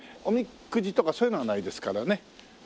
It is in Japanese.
おみくじとかそういうのはないですからね。